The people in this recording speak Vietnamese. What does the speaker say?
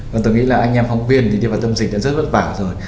và tôi nghĩ là anh em phóng viên thì đi vào tâm dịch đã rất vất vả rồi